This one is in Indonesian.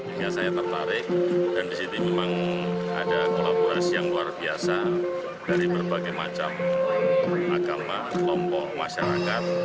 ini saya tertarik dan disini memang ada kolaborasi yang luar biasa dari berbagai macam agama kompoh masyarakat